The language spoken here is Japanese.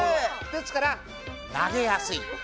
ですから投げやすい。